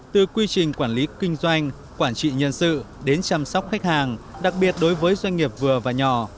từ quy trình quản lý kinh doanh quản trị nhân sự đến chăm sóc khách hàng đặc biệt đối với doanh nghiệp vừa và nhỏ